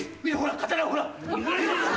刀をほら。